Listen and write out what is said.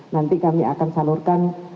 nanti kami akan salurkan